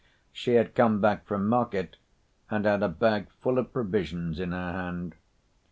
She had come back from market and had a bag full of provisions in her hand.